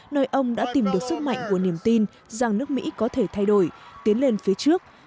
nơi ông đã tìm được sức mạnh của niềm tin rằng nước mỹ có thể thay đổi tiến lên phía trước